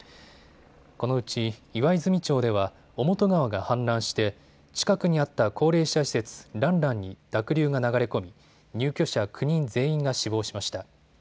このうち岩泉町では小本川が氾濫して近くにあった高齢者施設、楽ん楽んに濁流が流れ込み入居者９人全員が死亡しました。